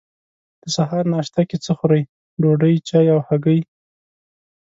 د سهار ناشته کی څه خورئ؟ ډوډۍ، چای او هګۍ